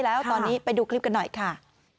แล้วตอนนี้ไปดูคลิปกันหน่อยค่ะ